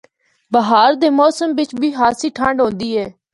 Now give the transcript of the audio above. بہار دے موسم بچ بھی خاصی ٹھنڈ ہوندی اے۔